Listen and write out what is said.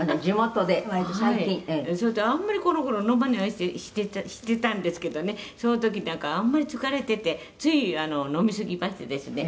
それであんまりこの頃は飲まないようにしてたんですけどねその時だからあんまり疲れててつい飲みすぎましてですね」